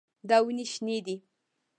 دا ونې شنې دي.